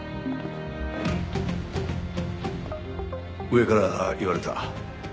上から言われた。